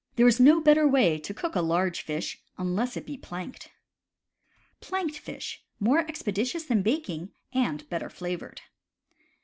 There is no better way to cook a large fish, unless it be planked. Planked Fish. — More expeditious than baking, and better flavored.